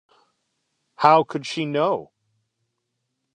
How could she know?